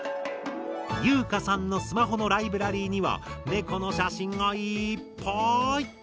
優花さんのスマホのライブラリーにはネコの写真がいっぱい！